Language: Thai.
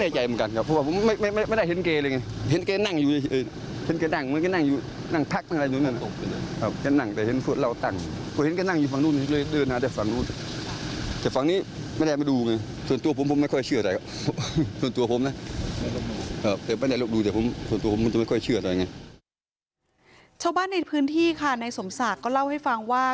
ชาวบ้านในพื้นที่ค่ะในสมศักดิ์ก็เล่าให้ฟังว่า